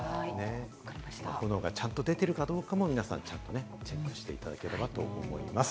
炎がちゃんと出ているかどうかもちゃんとチェックしていただければと思います。